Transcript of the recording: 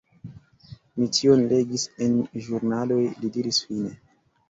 Mi tion legis en ĵurnaloj, li diris fine.